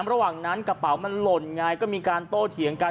ระหว่างนั้นกระเป๋ามันหล่นไงก็มีการโต้เถียงกัน